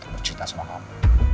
untuk bercerita sama kamu